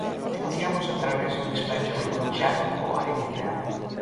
Negociamos a través do despacho de Conchado coa entidade.